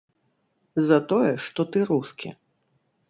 За тое, што ты рускі.